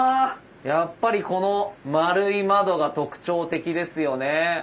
やっぱりこの円い窓が特徴的ですよね。